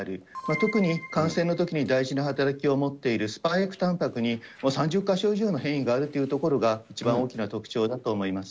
特に、感染のときに大事な働きを持っているスパイクたんぱくに３０か所以上の変異があるというところが、一番大きな特徴だと思います。